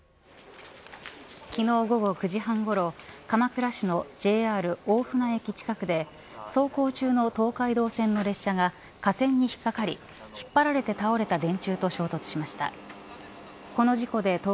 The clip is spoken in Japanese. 昨日午後９時半ごろ鎌倉市のＪＲ大船駅近くで走行中の東海道線の列車が架線に引っ掛かり引っ張られて倒れた電柱と衝突しました。